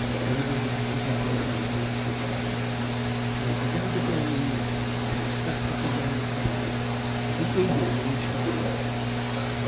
Evidently what he wanted was not forthcoming, for he began to grow uneasy, and stamped up and down the pavement, looking eagerly in each direction.